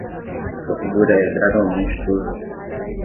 Sua figura é gradualmente turva